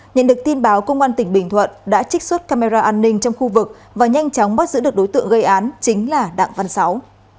nhận được tin báo công an tỉnh bình thuận đã trích xuất camera an ninh trong khu vực và nhanh chóng bắt giữ được đối tượng gây án chính là đặng văn sáu